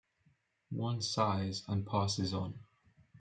One sighs and passes on.